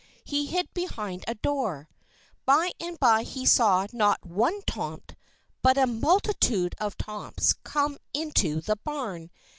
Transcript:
He hid behind a door. By and by he saw, not one Tomt, but a multitude of Tomts come into the barn.